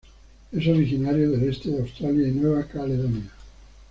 Es originario del este de Australia y Nueva Caledonia.